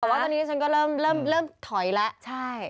ว่าตอนนี้ฉันก็เริ่มเขินแม่งฉันก็เริ่มถ่อยแล้ว